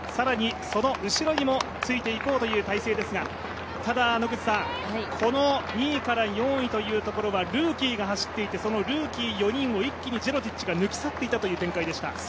その後ろにもついていこうという態勢ですがただ、この２位から４位というところはルーキーが走っていて、そのルーキー４人を一気にジェロティッチが抜き去っていった展開でした。